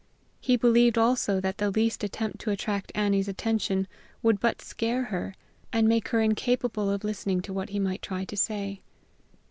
He believed also that the least attempt to attract Annie's attention would but scare her, and make her incapable of listening to what he might try to say.